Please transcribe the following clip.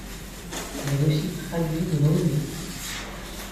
Il a aussi traduit de l'anglais.